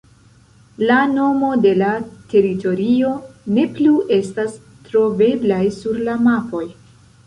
La nomo de la teritorio ne plu estas troveblaj sur la mapoj.